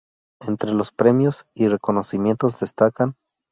Entre los premios y reconocimientos destacan